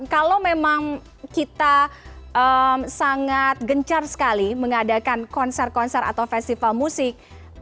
kalau memang kita sangat gencar sekali mengadakan konser konser atau festival musik